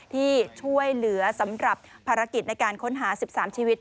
ที่ช่วยเหลือสำหรับภารกิจในการค้นหา๑๓ชีวิต